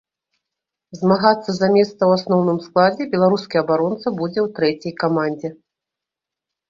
Змагацца за месца ў асноўным складзе беларускі абаронца будзе ў трэцяй камандзе.